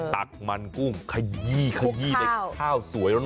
ตักมันกุ้งขยี้ขยี้ในข้าวสวยร้อน